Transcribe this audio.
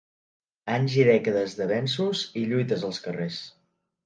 Anys i dècades d’avenços i lluites als carrers.